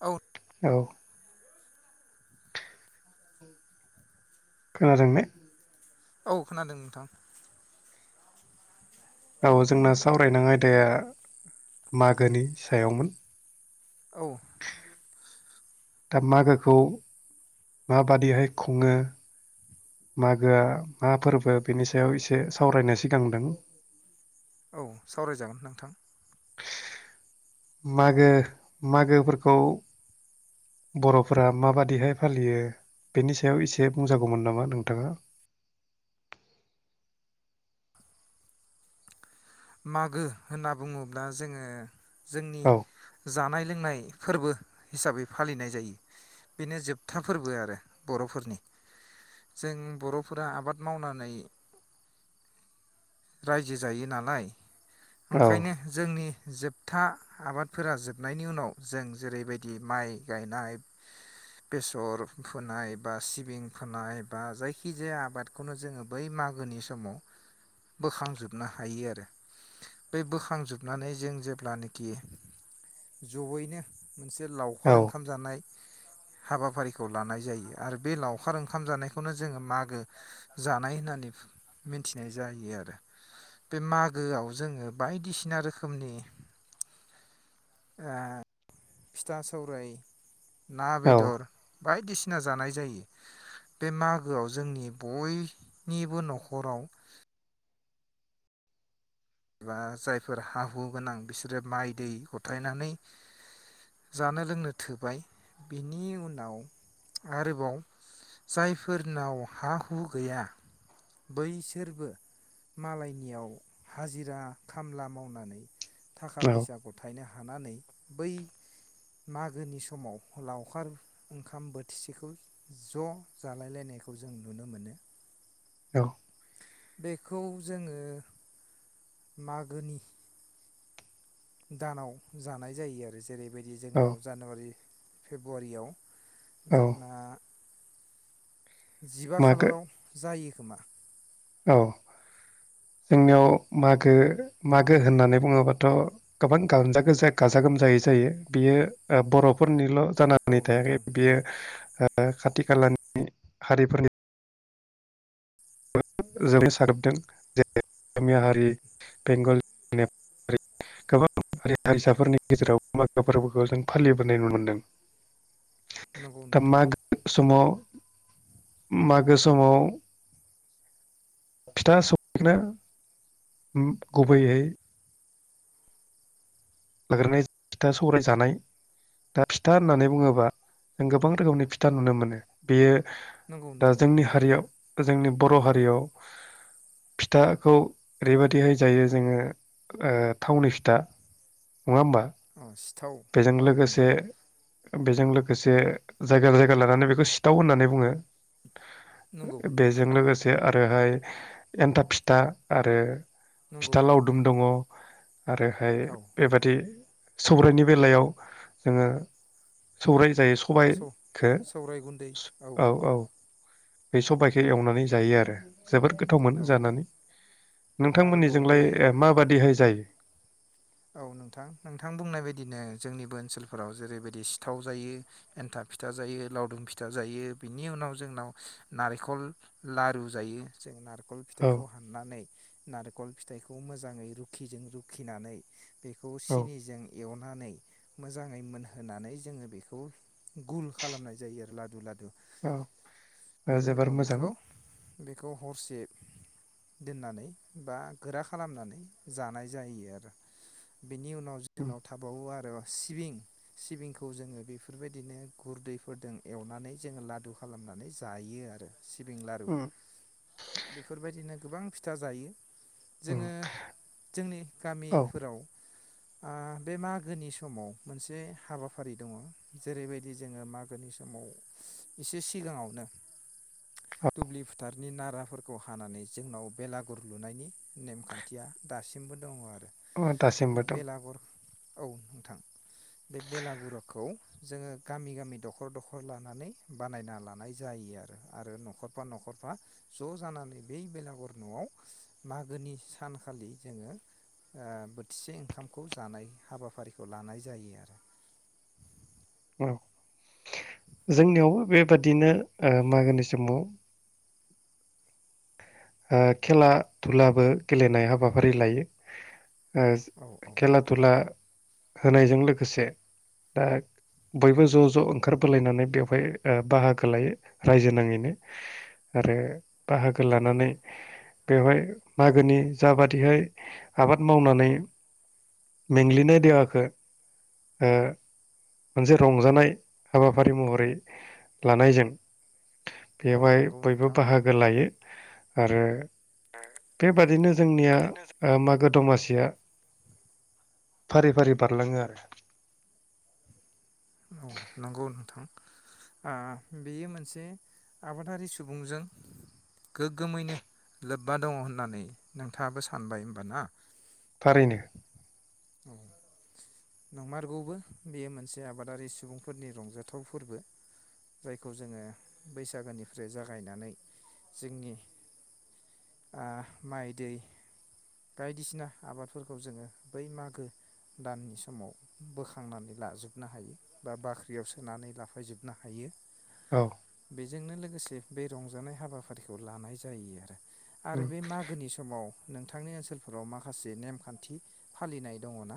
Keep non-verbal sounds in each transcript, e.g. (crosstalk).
औ औ खोनादों ने औ खोनादों नोंथां औ जोंना सावरायनां आयदाया मागोनि सायावमोन औ दा मागोखौ माबादिहाय खुङो मागोआ मा फोरबो बेनि सायाव एसे सावरायनो सिगांदों औ सावरायजागोन नोंथां मागो मागोफोरखौ बर'फोरा माबादिहाय फालियो बेनि सायाव एसे बुंजागौमोन नामा नोंथाङा मागो होनना बुङोब्ला जोङो जोंनि औ जानाय लोंनाय फोरबो हिसाबै फालिनाय जायो बेनो जोबथा फोरबो आरो बर'फोरनि जों बर'फोरा आबाद मावनानै रायजो जायो नालाय औ ओंखायनो जोंनि जोब था आबादफोरा जोबनायनि उनाव जों जेरैबायदि माइ गायनाय बेसर फोनाय बा सिबिं फोनाय बा जायखिजाया आबादखौनो जोङो बै मागोनि समाव बोखांजोबनो हायो आरो बे बोखांजोबनानै जों जेब्लानाखि जयैनो मोनसे लावखार औ ओंखाम जानाय हाबाफारिखौ लानाय जायो आरो बे लावखार ओंखाम जानायखौनो जोङो मागो जानाय होननानै मिथिनाय जा यो आरो बे मागोआव जोङो बायदिसिना रोखोमनि ओ फिथा सावराय ना औ बेदर बायदिसि ना जानाय जायो बे मागोआव जोंनि बयनिबो न'खराव एबा जायफोर हा हु गोनां बिसोरो माइ दै गथायनानै जानो लोंनो थोबाय बिनि उनाव आरोबाव जायफोरनाव हा हु गैया बैसोरबो मालायनियाव हाजिरा खामला मावनानै थाखा औ फैसा गथायनो हा नानै बै मागोनि समाव लावखार ओंखाम बोथिसेखौ ज' जालायलायनायखौ जों नुनो मोनो औ बेखौ जोङो मागोनि दानाव जानाय जायो आरो जेरै बायदि औ जोंनाव जानुवारि फेब्रुवारियाव औ जोंना जिबा मागो खालाराव जायो खोमा औ जोंनियाव मागो मागो होननानै बुङोबाथ' गोबां गानजा गोजा गाजा गोमजायै जायो बियो ओ बर' फोरनिल' औ जानानै थायाखै नोंथां नंगौ बियो ओ ओ खाथि खालानि हारिफोरनि (unintelligible) साग्लोबदों जेरै असमिया हारि बेंगलनि गोबां हारि हारिसाफोरनि गेजेराव मागो फोरबोखौ जों फालिबोनाय नुनो मोनदों। नंगौ दा नोंथां मागो समाव मागो समाव फिथा सौनो ओम गुबैयै लाग्रोनाय फिथा सौराय जानाय दा फिथा होननानै बुङोबा जों गोबां रोखोमनि फिथा नुनो मोनो बेयो नंगौ दा नंगौ जोंनि हारियाव जोंनि बर' हारियाव फिथाखौ ओरैबायदिहाय जायो जोङो ओ थावनि फिथा नङा होमबा? अ सिथाव बेजों औ नंगौ लोगोसे बेजों लोगोसे जायगा जायगा लानानै बेखौ सिथाव होननानै बुङो नंगौ बेजों लोगोसे आरोहाय एन्थाब फिथा आरो नंगौ फिथा नंगौ लावदुम दङ आरोहाय औ बेबादि सौरायनि बेलायाव जोङो सौराय जायो सौ सबायखो सौराय गुन्दै औ औ बे सबाइखौ एवनानै जायो आरो जोबोद गोथाव मोनो औ जानानै आरोबाव बे नोंथांमोननिजोंलाय माबादिहाय जायो? औ नोंथां नोंथां बुंनाय बदिनो जोंनिबो ओनसोलफोराव जेरैबायदि सिथाव जायो एन्थाब फिथा जायो लावदुम फिथा जायो बिनि उनाव जोंनाव नारिखल लारु जायो जों नारिख खल औ फिथाइखौ हाननानै नारिखल फिथाइखौ मोजाङै रुखिजों रुखिनानै बेखौ औ सिनिजों एवनानै मोजाङै मोनहोनानै जोङो बेखौ गुल खालामनाय जायो आरो लादु लादु औ बिनि जोबोर उनाव मोजां बेखौ बेखौ हरसे दोननानै बा गोरा खालामनानै जानाय जायो आरो बेनि उनाव उम जोंनाव थाबावो आरो सिबिं सिबिंखौ जोङो बेफोरबायदिनो गुरदैफोरजों एवनानै जोङो लादु खालामनानै जायो आरो सिबिं लारु उम बेफोरबायदिनो गोबां फिथा जायो। उम जोङो जोंनि गामि औ आ बे मागोनि समाव मोनसे हाबाफारि दङ जेरैबायदि जोङो मागोनि समाव एसे सिगाङावनो दुब्लि फोथारनि नाराफोरखौ हानानै जोंनाव बेलागुर लुनायनि नेमखान्थिया दासिमबो दङ आरो। अ बे दासिमबो दं। बेलागुर औ नोंथां बे बेलागुरखौ जोङो गामि गामि दखर दखर लानानै बानायना लानाय जायो आरो आरो न'खरफा न'खरफा ज' जानानै बै बेलागुर न'आव मागोनि सानखालि जोङो ओ बोथिसे ओंखामखौ जानाय हाबाफारिखौ लानाय जायो आरो। औ जोंनियावबो बेबादिनो ओ मागोनि समाव ओ खेला धुलाबो गेलेनाय हाबाफारि लायो ओ औ औ खेला दुला होनायजों लोगोसे दा बयबो ज' ज' ओंखार बोलायनानै बेवहाय बाहागो लायो रायजो नाङैनो आरो बाहागो लानानै बेवहाय मागोनि जाबादिहाय आबाद मावनानै मेंग्लिनाय देहाखो ओ मोनसे रंजानाय हाबाफारि महरै लानायजों औ बेवहाय नंगौ बयबो नोंथां बाहागो लायो आरो बेबादिनो जोंनिया ओरैनो ओ मागो दमासिया फारि फारि बारलाङो आरो नंगौ नोंथां आ बेयो मोनसे आबादारि सुबुंजों गोग्गोमैनो लोब्बा दङ होननानै नोंथाङाबो सानबाय होमबा ना? थारैनो औ नंमारगौबो बेयो मोनसे आबादारि सुबुं फोरनि रंजाथाव फोरबो जायखौ जोङो बैसागोनिफ्राय जागायनानै जोंनि आ माइ दै बायदिसिना आबादफोरखौ जोङो बै मागो दाननि समाव बोखांनानै लाजोबनो हायो बा बाख्रियाव सोनानै लाफाजोबनो हायो औ बेजोंनो लो लोगोसे बे रंजानाय हाबाफारिखौ लानाय जायो आरो आरो उम बे मागोनि समाव नोंथांनि ओनसोलफोराव माखासे नेमखान्थि फालिनाय दङ' ना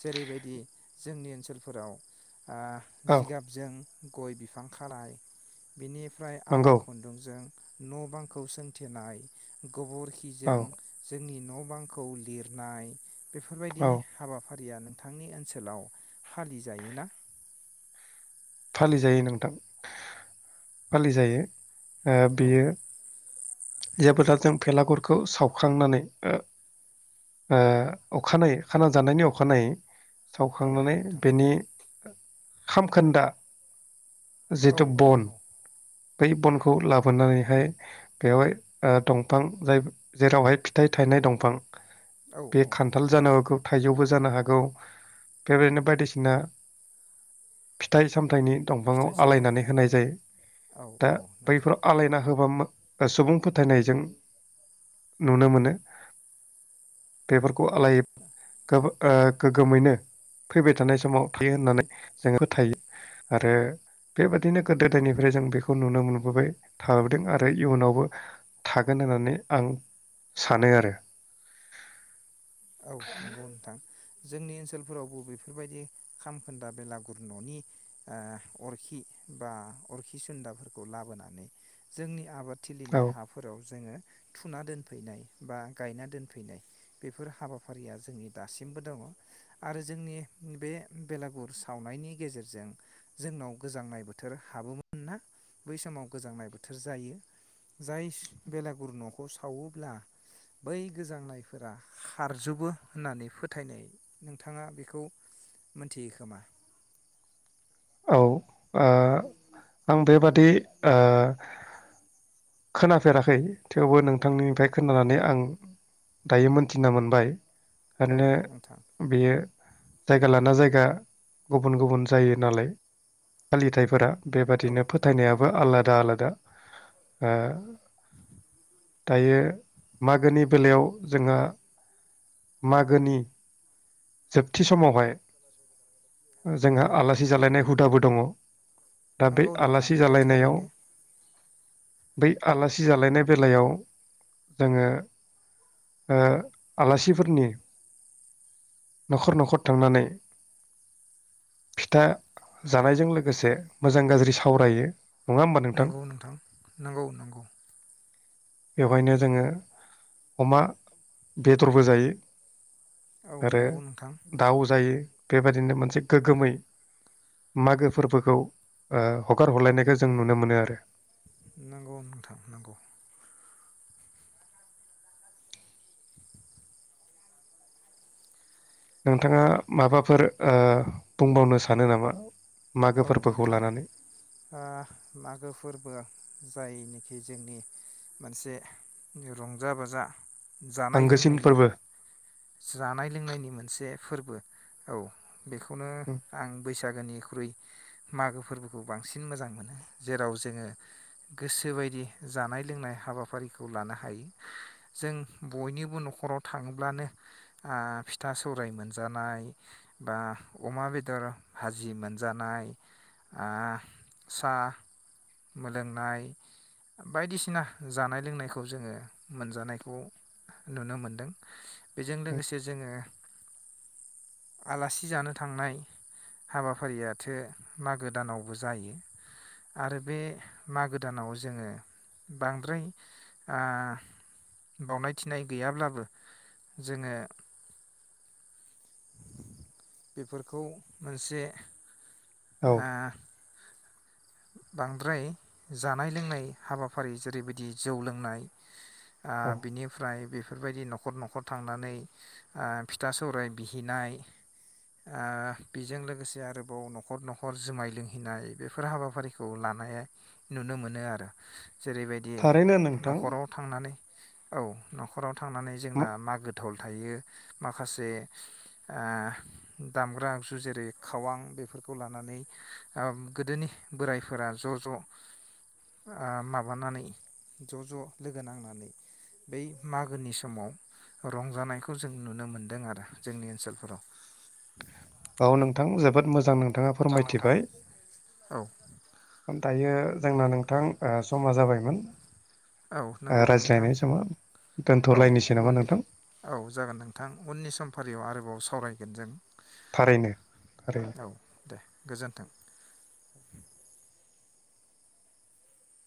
जेरैबायदि जोंनि ओनसोलफोराव औ जिगाबजों गय बिफां खानाय बिनिफ्राय आवा नंगौ खुन्दुंजों न' बांखौ सोंथेनाय औ गोबोरखिजों जोंनि न' बांखौ लिरनाय बेफोरबायदि औ हाबाफारि फारिया नोंथांनि ओनसोलाव फालिजायोना फालिजायो नोंथां फालिजायो ओ औ बेयो जेबोला जों भेलागुरखौ सावखांनानै ओ अखानायै खाना जानायनि अखानायै औ सावखांनानै नोंथां बेनि खामखोन्दा औ जिहेथु औ बन औ बै बनखौ खौ लाबोनानैहाय बेवहाय दंफां जाय जेरावहाय फिथाइ थायनाय दंफां औ बे औ खान्थाल जानो थाइजौबो जानो हागौ बेबायदिनो बायदिसिना फिथाइ साम थायनि दंफाङाव फिथाइ सामथाइ आलायनानै होनाय जायो औ दा औ नोंथां बैफोराव आलायना होबा मोन सुबुं फोथायनायजों नुनो मोनो बेफोर खौ आलाय गो ओ गोग्गोमैनो फैबाय थानाय समाव थायो होननानै जोङो फोथायो आरो बेबादिनो गोदो-गोदायनिफ्राय जों बेखौ नुनो मोनबोबाय थाबोदों आरो इयुनाव बो थागोन होननानै आं सानो आरो औ नंगौ नोंथां जोंनि ओनसोलफोरावबो बेफोरबायदि खामखोन्दा बेलागुर न'नि ओ अरखि बा अरखि सुदाफोरखौ लाबोनानै जोंनि आबाद औ थिलिनि हाफोराव जोङो थुना दोनफैनाय बा गायना दोनफैनाय बे बेफोर हाबाफारिया जोंनि दासिमबो दङ आरो जोंनि बे बेलागुर सावनायनि गेजेरजों जोंनाव गोजांनाय बोथोर हाबोमोन ना बै समाव गोजांनाय बोथोर जायो जाय बेलागुर न' खौ सावोब्ला बै गोजांनायफोरा खारजोबो होननानै फोथायनाय नोंथाङा बेखौ मोनथियो खोमा औ ओ आं बेबादि ओ खोनाफेराखै थेवबो नोंथांनिफ्राय खोनानानै आं दायो मोनथिना मोनबाय औ नोंथां थारैनो बेयो जायगा लाना जायगा गुबुन-गुबुन जायो नालाय फालिथायफोरा औ बेबादिनो फोथायनायाबो नंगौ आलादा-आलादा ओ दायो मागोनि बेलायाव जोंहा मागोनि जोबथि समावहाय जोंहा औ आलासि जालायनाय हुदाबो दङ दा बे नंगौ नोंथां आलासि बे जालायनायाव थारैनो बै आलासि जालायनाय बेलायाव जोङो ओ आलासिफोरनि नखर नखर थांनानै फिथा जानायजों लोगोसे मोजां गाज्रि सावरायो। नङा होमबा नंगौ नोंथां नंगौ नंगौ बेवहायनो जोङो अमा बेदरबो जायो। औ आरो नंगौ नोंथां दाउ जायो बेबायदिनो मोनसे गोगगोमै मागो फोरबोखौ ओ हगार हरलायनायखौ जों नुनो मोनो आरो। नंगौ नोंथां नंगौ नोंथाङा माबाफोर ओ बुंबावनो सानो नामा? मागो औ फोरबोखौ नोंथां लानानै ओ मागो फोरबो जायनिखि जोंनि मोनसे रंजा बाजा जानाय आंगोसिन लोंनायनि फोरबो जानाय लोंनायनि मोनसे फोरबो औ बेखौनो आं बैसो फागनिख्रुइ मागो फोरबोखौ बांसिन मोजां मोनो जेराव जोङो गोसो बायदि जानाय लोंनाय हाबाफारिखौ लानो हायो जों बयनिबो न'खराव थाङोब्लानो आ फिथा सौराय मोनजानाय बा अमा बेदर भाजि मोन जानाय आ सा मोलोंनाय बायदिसिना जानाय लोंनायखौ जोङो मोनजानायखौ नुनो मोनदों बेजों लोगोसे जोङो आलासि जानो थांनाय हाबाफारिया थो मागो दानावबो जायो आरो बे मागो दानाव जोङो बांद्राय आ बावनाय थिनाय गैयाब्लाबो जोङो बेफोरखौ मोनसे औ ओ बांद्राय जानाय लोंनाय हाबाफारि जेरैबायदि जौ लोंनाय ओ औ बिनिफ्राय बेफ बेफोरबायदि न'खर न'खर थांनानै ओ फिथा सौराय बिहैनाय ओ बेजों लोगोसे आरोबाव न'खर न'खर जुमाय लोंहैनाय बेफोर हाबाफारिखौ लानाया नुनो मोनो आरो जेरैबायदि थारैनो नोंथां न'खराव थांनानै औ न'खराव थांनानै जोंना मागो थाल थायो माखासे ओ दामग्रा आगजु जेरै खावां बेफोरखौ लानानै ओ गोदोनि बोराइफोरा ज' ज' ओ माबानानै ज' ज' लोगो नांनानै बै मागोनि समाव रंजानायखौ जों नुनो मोनदों आरो जोंनि ओनसोलफोराव। औ नोंथां जोबोद मो जां नों थाङा फोरमायथिबाय औ दायो जोंना नोंथां ओ समा जाबाय। मोन। औ नंगौ नोंथां औ दोनथ'लायनोसै नामा उननि नोंथां औ जागोन नोंथां उननि सम फारियाव आरोबाव सावरायगोन जों थारैनो थारैनो औ दे गोजोन्थों।